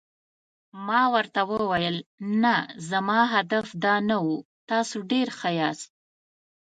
ما ورته وویل: نه، زما هدف دا نه و، تاسي ډېر ښه یاست.